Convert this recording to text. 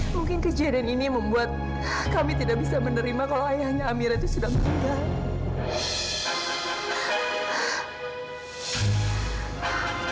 mungkin kejadian ini membuat kami tidak bisa menerima kalau ayahnya amira itu sudah meninggal